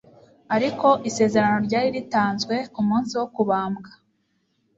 Ariko isezerano ryari ritanzwe ku munsi wo kubambwa,